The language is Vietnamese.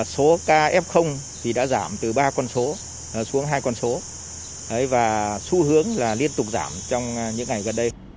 số caf đã giảm từ ba con số xuống hai con số và xu hướng là liên tục giảm trong những ngày gần đây